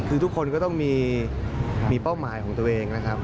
คือทุกคนก็ต้องมีเป้าหมายของตัวเองนะครับ